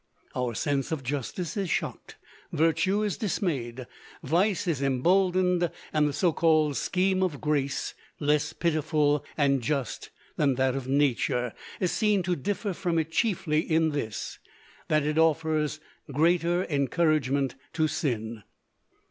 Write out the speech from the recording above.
Our sense of justice is shocked, virtue is dismayed, vice is emboldened, and the so called scheme of grace, less pitiful and just than that of nature, is seen to differ from it chiefly in this, that it offers greater encouragement to sin.